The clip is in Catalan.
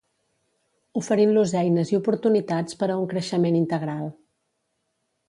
oferint-los eines i oportunitats per a un creixement integral